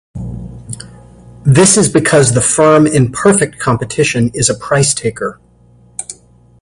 This is because the firm in perfect competition is a price taker.